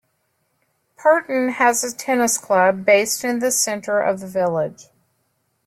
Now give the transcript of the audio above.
Purton has a tennis club, based in the centre of the village.